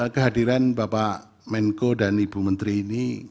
kehadiran bapak menko dan ibu menteri ini